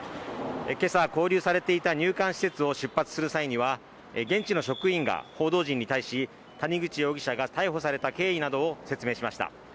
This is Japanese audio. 今朝、勾留されていた入管施設を出発する際には現地の職員が報道陣に対し谷口容疑者が逮捕された経緯などを報道陣に対し説明しました。